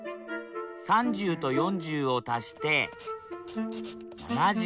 ３０と４０を足して７０。